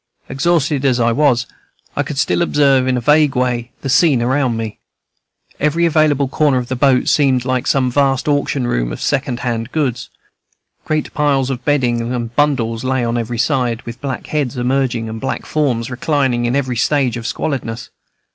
Exhausted as I was, I could still observe, in a vague way, the scene around me. Every available corner of the boat seemed like some vast auction room of second hand goods. Great piles of bedding and bundles lay on every side, with black heads emerging and black forms reclining in every stage of squalidness.